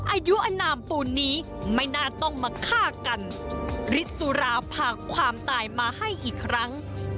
อายุอนามปูนนี้ไม่น่าต้องมาฆ่ากันฤทธิสุราผ่าความตายมาให้อีกครั้ง